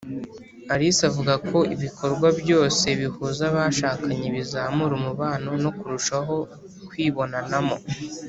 alice avuga ko ibikorwa byose bihuza abashakanye bizamura umubano no kurushaho kwibonanamo.